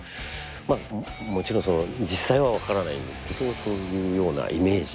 まあもちろんその実際は分からないんですけどそういうようなイメージで。